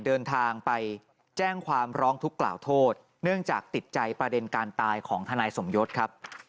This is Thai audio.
เดินทางไปแจ้งความร้องทุกข์กล่าวโทษเนื่องจากติดใจประเด็นการตายของทนายสมยศครับ